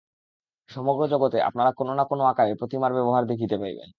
সমগ্র জগতে আপনারা কোন-না-কোন আকারে প্রতিমার ব্যবহার দেখিতে পাইবেন।